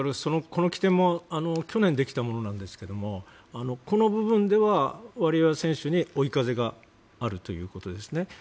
この規定も去年、できたものなんですけどこの部分ではワリエワ選手に追い風があるということですね。